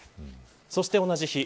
そして同じ日